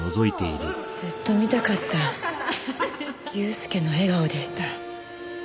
ずっと見たかった祐介の笑顔でした。